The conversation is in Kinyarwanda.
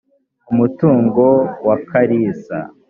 umutungo wa kalisa